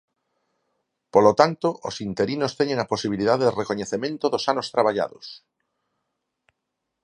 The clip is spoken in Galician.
Polo tanto, os interinos teñen a posibilidade de recoñecemento dos anos traballados.